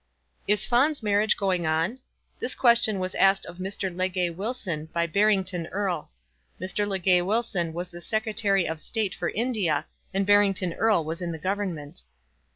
"Is Fawn's marriage going on?" This question was asked of Mr. Legge Wilson by Barrington Erle. Mr. Legge Wilson was the Secretary of State for India, and Barrington Erle was in the Government.